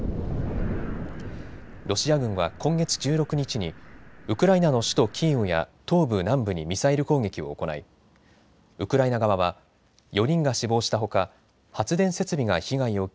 ロシア軍は今月１６日にウクライナの首都キーウや東部、南部にミサイル攻撃を行いウクライナ側は４人が死亡したほか発電設備が被害を受け